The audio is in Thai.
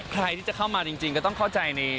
ใครที่จะเข้ามาจริงก็ต้องเข้าใจใน